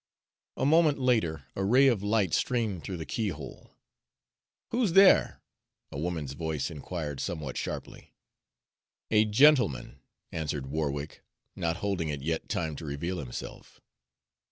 A moment later a ray of light streamed through the keyhole. "Who's there?" a woman's voice inquired somewhat sharply. "A gentleman," answered Warwick, not holding it yet time to reveal himself.